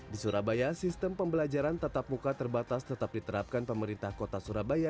di surabaya sistem pembelajaran tatap muka terbatas tetap diterapkan pemerintah kota surabaya